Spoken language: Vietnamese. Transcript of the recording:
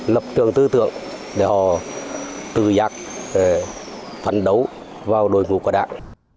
lập tượng tư tượng để họ tự giác phấn đấu vào đồi ngục của đảng